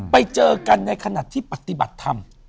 ไปเจอกันในขณะที่ปฏิบัติธรรม